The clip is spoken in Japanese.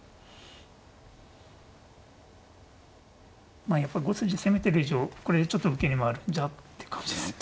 まあやっぱり５筋攻めてる以上これでちょっと受けに回るんじゃって感じですよね。